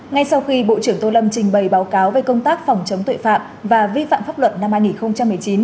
ngay sau khi bộ trưởng tô lâm trình bày báo cáo về công tác phòng chống tội phạm và vi phạm pháp luật năm hai nghìn một mươi chín